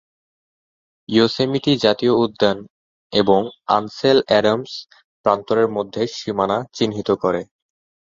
Yosemite জাতীয় উদ্যান এবং আনসেল অ্যাডামস প্রান্তরের মধ্যে সীমানা চিহ্নিত করে।